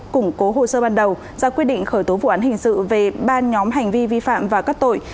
củng cố hồ sơ ban đầu ra quyết định khởi tố vụ án hình sự về ba nhóm hành vi vi phạm và các tội